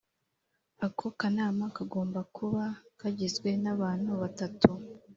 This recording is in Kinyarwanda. Ako kanama kagomba kuba kagizwe n abantu batatu